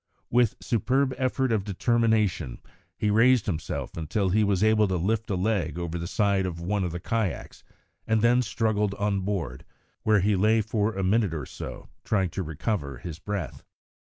With a superb effort of determination, he raised himself until he was able to lift a leg over the side of one of the kayaks, and then struggled on board, where he lay for a minute or so trying to recover his breath.